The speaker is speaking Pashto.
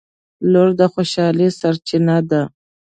• لور د خوشحالۍ سرچینه ده.